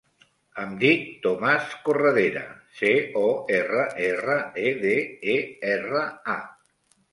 Em dic Tomàs Corredera: ce, o, erra, erra, e, de, e, erra, a.